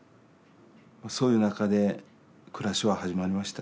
そういう中で暮らしは始まりました。